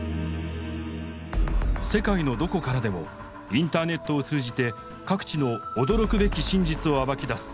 世界のどこからでもインターネットを通じて各地の驚くべき真実を暴き出す。